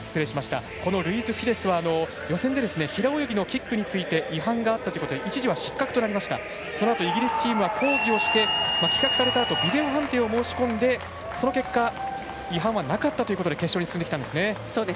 ルイーズ・フィデスは予選で平泳ぎのキックについて違反があったということで一時は失格になりましたがイギリスチームが抗議してビデオ判定を申し込んでその結果、違反はなかったということで決勝に進んできたんです。